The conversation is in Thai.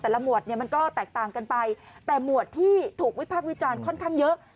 แต่ละหมวดมันก็แตกต่างกันไปแต่หมวดที่ถูกวิภาพวิจารณ์ค่อนข้างเยอะ